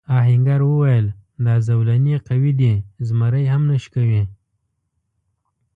آهنګر وویل دا زولنې قوي دي زمری هم نه شکوي.